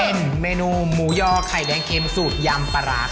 อันนี้เป็นมูย่อไข่แดงเค็มสูตรยำปลาร้าค่ะ